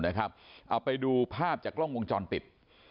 เอาไปดูภาพจากกล้องวงจรปิด